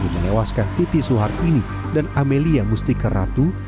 yang menewaskan tipi suhar ini dan amelia musti keratu